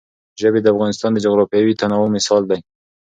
ژبې د افغانستان د جغرافیوي تنوع مثال دی.